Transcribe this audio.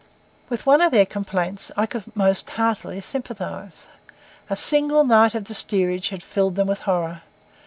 With one of their complaints I could most heartily sympathise. A single night of the steerage had filled them with horror.